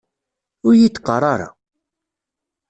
Ur iyi-d-qqar ara!